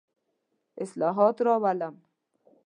اصلاحات راولم.